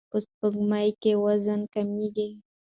په سپوږمۍ کې وزن کمیږي.